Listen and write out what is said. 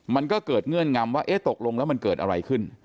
มันก็เกิดเงื่อนงำว่าเอ๊ะตกลงแล้วมันเกิดอะไรขึ้น